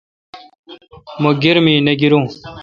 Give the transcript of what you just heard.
مہ گرمی می نہ گیروں۔